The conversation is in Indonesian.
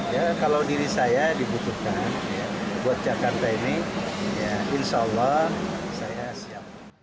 ya kalau diri saya dibutuhkan buat jakarta ini insya allah saya siap